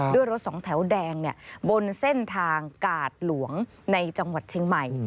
ด้วยรถสองแถวแดงบนเส้นทางกาดหลวงในจังหวัดเชียงใหม่